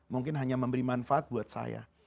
mungkin hanya memberi manfaat buat saya